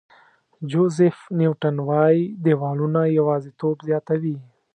جوزیف نیوټن وایي دیوالونه یوازېتوب زیاتوي.